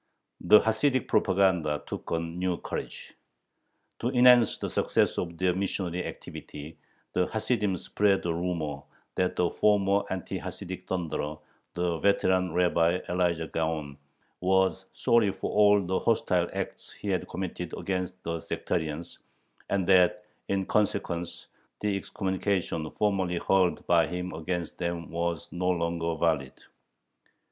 The Hasidic propaganda took on new courage. To enhance the success of their missionary activity, the Hasidim spread a rumor, that the former anti Hasidic thunderer, the veteran Rabbi Elijah Gaon, was sorry for all the hostile acts he had committed against the sectarians, and that in consequence the excommunication formerly hurled by him against them was no longer valid.